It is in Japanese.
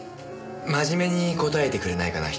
真面目に答えてくれないかな。